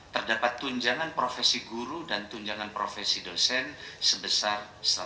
terdapat tunjangan profesi guru dan tunjangan profesi dosen sebesar